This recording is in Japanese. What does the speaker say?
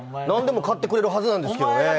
なんでも買ってくれるはずなんですけどね。